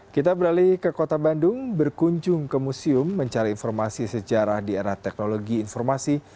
kita beralih ke kota bandung berkunjung ke museum mencari informasi sejarah di era teknologi informasi